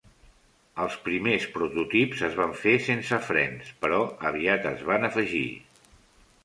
Els primers prototips es van fer sense frens, però aviat es van afegir.